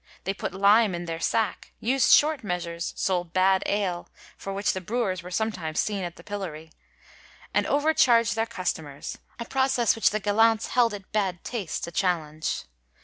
They put lime in their sack, used short measures, sold bad ale (for which the brewers were sometimes seen at the pillory) and overcharged their customers— a process which the gal lants held it bad taste to challenge.